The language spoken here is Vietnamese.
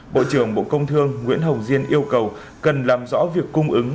bộ trưởng bộ công thương nguyễn hồng diên yêu cầu cần làm rõ việc cung ứng